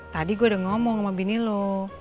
tadi gue udah ngomong sama bini lo